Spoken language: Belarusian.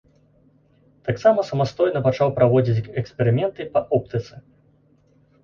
Таксама самастойна пачаў праводзіць эксперыменты па оптыцы.